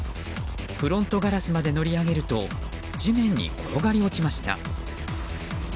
フロントガラスまで乗り上げると地面に転がり落ちました。